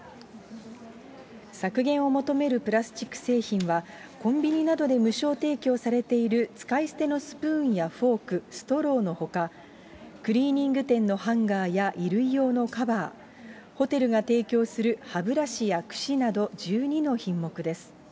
削減を求めるプラスチック製品は、コンビニなどで無償提供されている使い捨てのスプーンやフォーク、ストローのほか、クリーニング店のハンガーや衣類用のカバー、ホテルが提供する歯ブラシやくしなど１２の品目です。